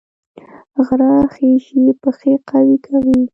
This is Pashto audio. غره خیژي پښې قوي کوي